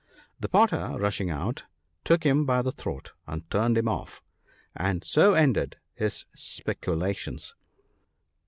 The potter, rushing out, took him by the throat, and turned him off; and so ended his specu lations.